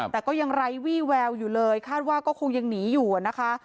แต่ก็ยังไร้วี่แววอยู่เลยคาดว่าก็คงยังหนีอยู่นะคะ